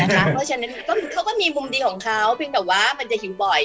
เพราะฉะนั้นเขาก็มีมุมดีของเขาเพียงแต่ว่ามันจะหิวบ่อย